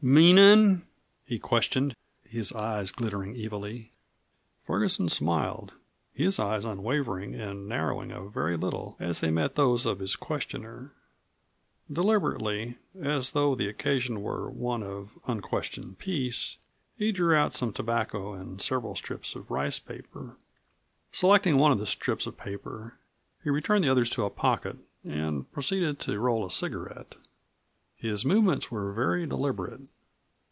"Meanin'?" he questioned, his eyes glittering evilly. Ferguson smiled, his eyes unwavering and narrowing a very little as they met those of his questioner. Deliberately, as though the occasion were one of unquestioned peace, he drew out some tobacco and several strips of rice paper. Selecting one of the strips of paper, he returned the others to a pocket and proceeded to roll a cigarette. His movements were very deliberate.